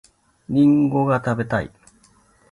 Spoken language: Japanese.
りんごが食べたい